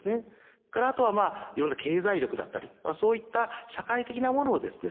それからあとはまあいろんな経済力だったりそういった社会的なものをですね